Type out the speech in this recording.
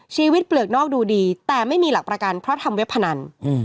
เปลือกนอกดูดีแต่ไม่มีหลักประกันเพราะทำเว็บพนัน